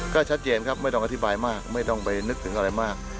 ก็ชัดเจนครับไม่ต้องอธิบายมากไม่ต้องไปนึกถึงอะไรมาก